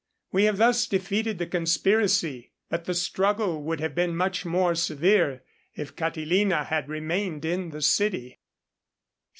_We have thus defeated the conspiracy; but the struggle would have been much more severe, if Catilina had remained in the city.